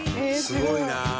「すごいな！」